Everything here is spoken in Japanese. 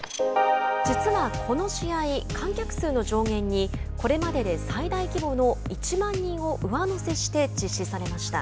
実はこの試合、観客数の上限にこれまでで最大規模の１万人を上乗せして実施されました。